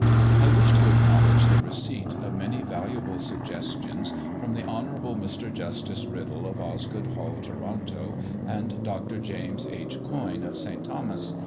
I wish to acknowledge the receipt of many valuable suggestions from the Honourable Mr. Justice Riddell of Osgoode Hall, Toronto, and Dr. James H. Coyne of St. Thomas.